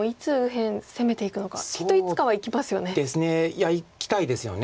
いやいきたいですよね。